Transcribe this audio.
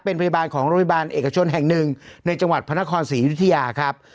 เป็นพยาบาลของโรงพยาบาลเอกชนแห่งหนึ่งในจังหวัดพระนครศรีอยุธยาครับ